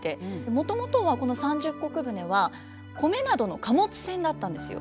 もともとはこの三十石船は米などの貨物船だったんですよ。